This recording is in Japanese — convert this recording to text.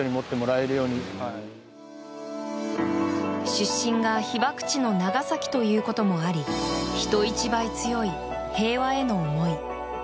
出身が被爆地の長崎ということもあり人一倍強い平和への思い。